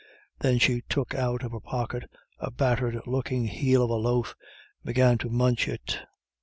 Then she took out of her pocket a battered looking heel of a loaf, and began to munch it.